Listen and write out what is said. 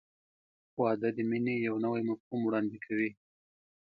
• واده د مینې یو نوی مفهوم وړاندې کوي.